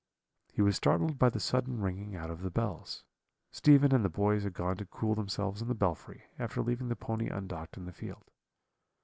"He was startled by the sudden ringing out of the bells. Stephen and the boys had gone to cool themselves in the belfry, after leaving the pony undocked in the field.